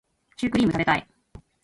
シュークリーム食べたい